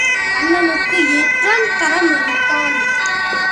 கண்ணனுக்கு ஏற்றம் தர மறுத்தான்.